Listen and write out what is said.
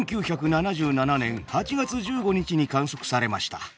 １９７７年８月１５日に観測されました。